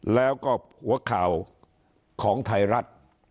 แล้วก็หัวข่าวของไทยรัฐ